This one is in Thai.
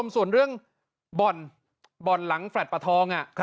ส่วนเรื่องบ่อนบ่อนหลังแฟลต์ประทอง